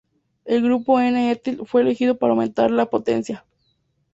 El grupo N-etil fue elegido para aumentar la potencia.